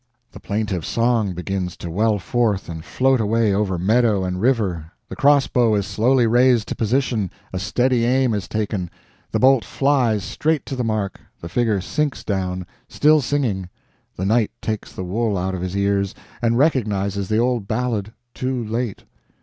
The plaintive song begins to well forth and float away over meadow and river the cross bow is slowly raised to position, a steady aim is taken, the bolt flies straight to the mark the figure sinks down, still singing, the knight takes the wool out of his ears, and recognizes the old ballad too late!